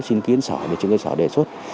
xin kiến sở về trường cơ sở đề xuất